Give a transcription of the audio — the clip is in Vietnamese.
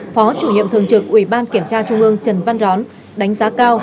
phó chủ nhiệm thường trực ủy ban kiểm tra trung ương trần văn rón đánh giá cao